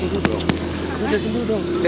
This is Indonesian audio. tunggu aku jasin dulu dong